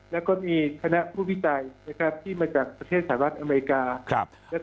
แล้วก็มีคณะผู้พิจัยที่มาจากประเทศสหรัฐอเมริกา